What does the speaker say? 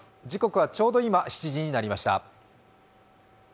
時刻はちょうど今、７時になりました。